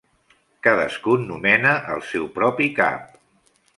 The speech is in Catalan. Cadascun nomena el seu propi cap.